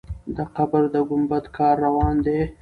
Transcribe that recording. د قبر د ګمبد کار روان دی.